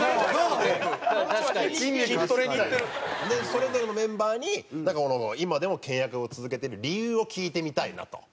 それぞれのメンバーに今でも倹約を続けている理由を聞いてみたいなと。